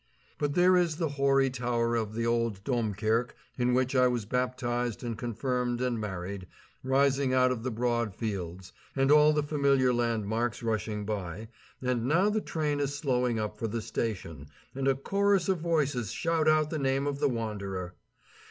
But there is the hoary tower of the old Domkirke in which I was baptized and confirmed and married, rising out of the broad fields, and all the familiar landmarks rushing by, and now the train is slowing up for the station, and a chorus of voices shout out the name of the wanderer.